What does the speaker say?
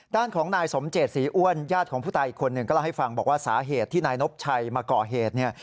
ด้านของนายสมเจตศรีอ้วนญาติของผู้ตายอีกคนหนึ่งก็เล่าให้ฟังบอกว่าสาเหตุที่นายนบชัยมาก่อเหตุเนี่ย